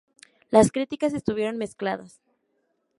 Las críticas estuvieron mezcladas.